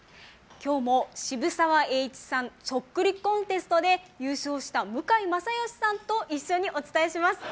きょうも渋沢栄一さんそっくりコンテストで優勝した向井正義さんと一緒にお伝えします。